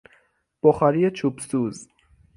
بخاری چوب سوز